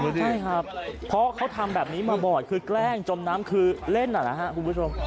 ใช่ครับเพราะเขาทำแบบนี้มาบ่อยคือแกล้งจมน้ำคือเล่นนะครับคุณผู้ชม